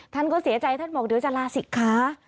ท่านก็เสียใจท่านบอกเดี๋ยวจะลาศิกขา